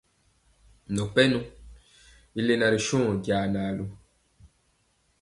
Nɔn pɛnɔ i lena ri suhɔ jaa na lu.